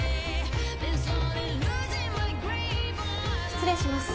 失礼します。